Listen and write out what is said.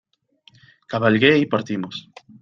cabalgué y partimos.